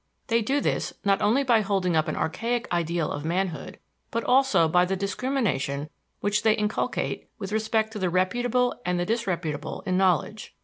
They do this not only by holding up an archaic ideal of manhood, but also by the discrimination which they inculcate with respect to the reputable and the disreputable in knowledge.